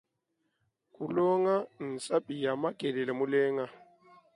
Kulonga nsapi ya makelele mulenga.